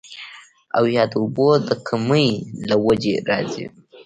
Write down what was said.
او يا د اوبو د کمۍ له وجې راځي